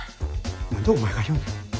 何でお前が言うねん。